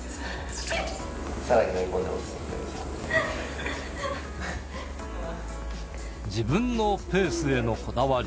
さらに追い込んでますね、自分のペースへのこだわり。